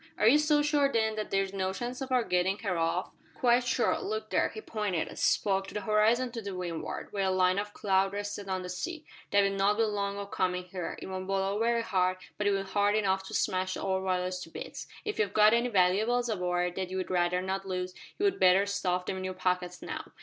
"Are you so sure, then, that there is no chance of our getting her off?" "Quite sure. Look there." He pointed, as he spoke, to the horizon to windward, where a line of cloud rested on the sea. "That'll not be long o' comin' here. It won't blow very hard, but it'll be hard enough to smash the old Walrus to bits. If you've got any valooables aboard that you'd rather not lose, you'd better stuff 'em in your pockets now.